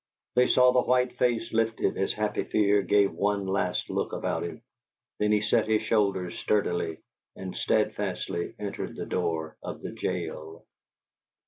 They saw the white face lifted as Happy Fear gave one last look about him; then he set his shoulders sturdily, and steadfastly entered the door of the jail.